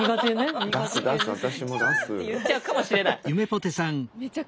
「キャー」って言っちゃうかもしれない。